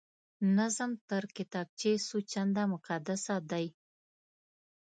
نظم تر کتابچې څو چنده مقدسه دی